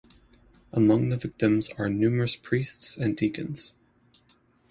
Among the victims are numerous priests and deacons.